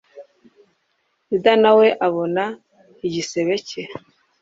Yuda na we abona igisebe cye